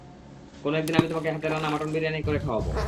কোনো একদিন আমি তোমাকে আমার হাতের মাটন বিরিয়ানি রান্না করে খাওয়াবো।